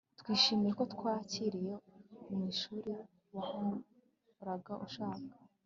Twishimiye ko twakiriwe mwishuri wahoraga ushaka